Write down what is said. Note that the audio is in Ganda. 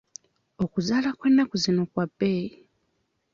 Okuzaala kw'ennaku zino kwa bbeeyi.